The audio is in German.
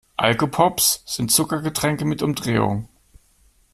Alkopops sind Zuckergetränke mit Umdrehung.